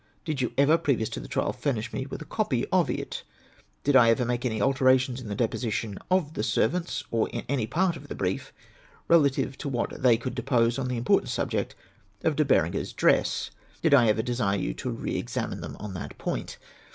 Did you ever, previous to the trial, furnish me with a cojjy of it ? Did I ever make any alterations in the dejDositions of the servants, or in any part of the brief, relative to what they could depose on the important subject of De Berenger's dress ? Did I ever desire you to re examine them on that point